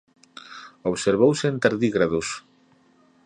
Observouse en tardígrados.